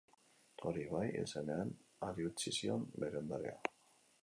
Hori bai, hil zenean, hari utzi zion bere ondarea.